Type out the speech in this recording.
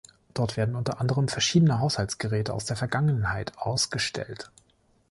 Dort werden unter anderem verschiedene Haushaltsgeräte aus der Vergangenheit ausgestellt.